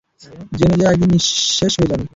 জেনে যে একদিন সব নিঃশেষ হয়ে যাবে।